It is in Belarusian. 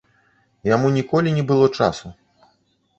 Яму ніколі не было часу.